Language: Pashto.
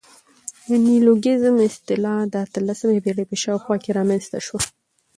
د نیولوګیزم اصطلاح د اتلسمي پېړۍ په شاوخوا کښي رامنځ ته سوه.